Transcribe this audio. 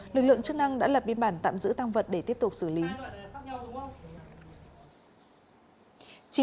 lực lượng chức năng đã lập biên bản tạm giữ tăng vật để tiếp tục xử lý